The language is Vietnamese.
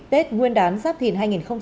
tết nguyên đán giáp thìn hai nghìn hai mươi bốn